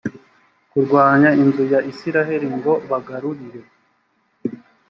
kurwanya inzu ya isirayeli ngo bagarurire